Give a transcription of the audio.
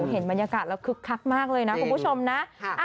เห็นบรรยากาศแล้วคึกคักมากเลยนะคุณผู้ชมนะ